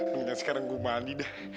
nanti sekarang gua mandi dah